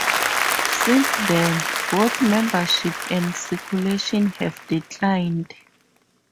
Since then, both membership and circulation have declined.